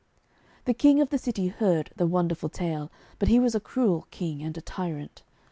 The King of the city heard the wonderful tale, but he was a cruel King and a tyrant.